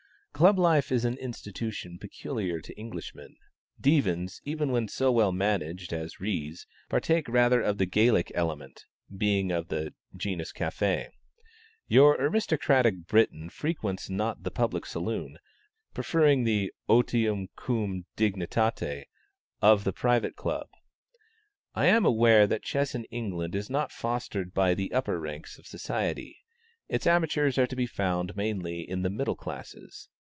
Club life is an institution peculiar to Englishmen; divans, even when so well managed as Ries's, partake rather of the Gallic element, being of the genus café. Your aristocratic Briton frequents not the public saloon, preferring the otium cum dignitate of the private club. I am aware that chess in England is not fostered by the upper ranks of society: its amateurs are to be found mainly in the middle classes.